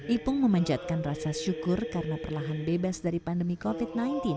ipung memanjatkan rasa syukur karena perlahan bebas dari pandemi covid sembilan belas